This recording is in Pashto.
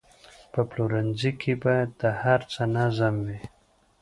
په پلورنځي کې باید د هر څه نظم وي.